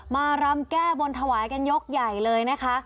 รำแก้บนถวายกันยกใหญ่เลยนะคะ